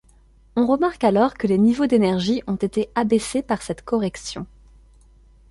On remarque alors que les niveaux d'énergie ont été abaissés par cette correction.